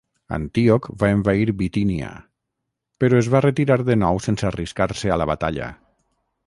Antíoc va envair Bitínia, però es va retirar de nou sense arriscar-se a la batalla.